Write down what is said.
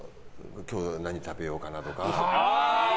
今日何食べようかなとか。